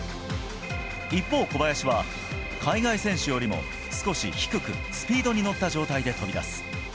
一方、小林は海外選手よりも少し低く、スピードに乗った状態で飛び出す。